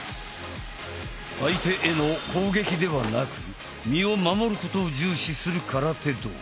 相手への攻撃ではなく身を守ることを重視する空手道。